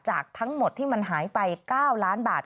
จากทั้งหมดที่มันหายไป๙ล้านบาท